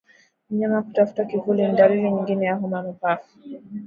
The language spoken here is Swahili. Mnyama kutafuta kivuli ni dalili nyingine ya homa ya mapafu